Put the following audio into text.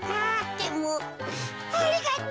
でもありがと。